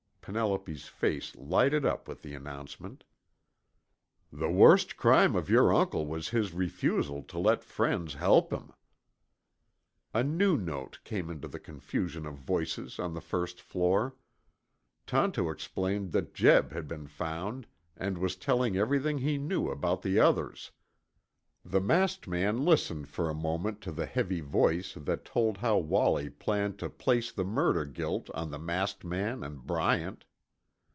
Penelope's face lighted up with the announcement. "The worst crime of your uncle was his refusal to let friends help him." A new note came into the confusion of voices on the first floor. Tonto explained that Jeb had been found and was telling everything he knew about the others. The masked man listened for a moment to the heavy voice that told how Wallie planned to place the murder guilt on the masked man and Bryant.